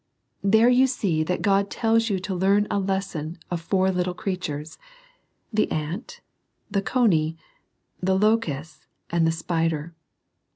There you see that God tells you to learn a lesson of four little creatures, — the ant, the cony, the locust, and the spider.